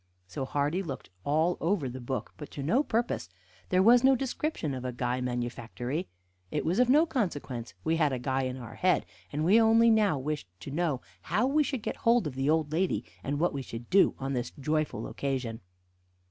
So Hardy looked all over the book, but to no purpose; there was no description of a guy manufactory. It was of no consequence; we had a guy in our head, and we only now wished to know how we should get hold of the old lady, and what we should do on this joyful occasion.